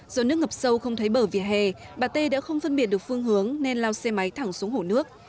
do nước ngập sâu không thấy bờ vỉa hè bà tê đã không phân biệt được phương hướng nên lao xe máy thẳng xuống hồ nước